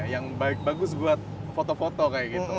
yang bagus buat foto foto kayak gitu